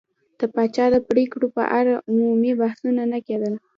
د پاچا د پرېکړو په اړه عمومي بحثونه نه کېدل.